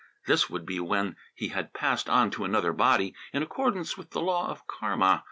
This would be when he had passed on to another body, in accordance with the law of Karma.